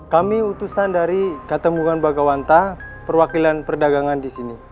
kami utusan dari ketemuan bagawanta perwakilan perdagangan di sini